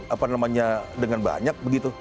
apa namanya dengan banyak begitu